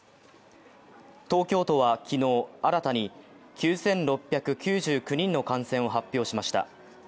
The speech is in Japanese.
東京都は昨日、新たに９６９９人の感染を発表しました。